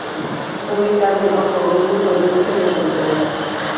Está ubicada en O Porriño, provincia de Pontevedra.